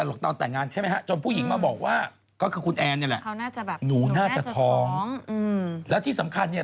อย่างที่เขาบอกค่อนข้างจะชัดเจน